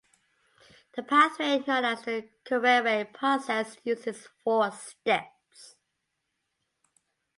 The pathway known as the Kuraray Process uses four steps.